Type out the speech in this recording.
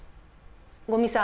五味さん